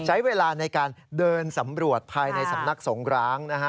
ใช้เวลาในการเดินสำรวจภายในสำนักสงร้างนะฮะ